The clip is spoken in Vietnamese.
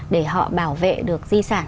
để họ bảo vệ được di sản